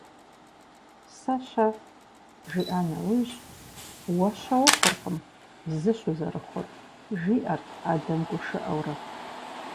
«Сэ-щэ?» жиӏа нэужь «Уэ щэ ухъуркъым, зыщ узэрыхъур» жиӏэрт адэм гушыӏэурэ.